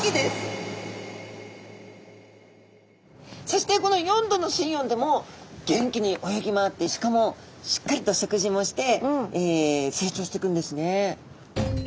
そしてこの４℃の水温でも元気に泳ぎ回ってしかもしっかりと食事もして成長してくんですね。